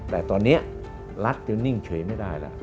แต่ตอนนี้รัฐจะนิ่งเฉยไม่ได้แล้ว